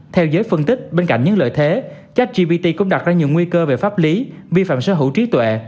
theo giới phân tích bên cạnh những lợi thế chat gpt cũng đặt ra nhiều nguy cơ về pháp lý vi phạm sở hữu trí tuệ